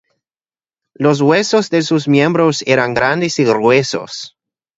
Los huesos de sus miembros eran grandes y gruesos.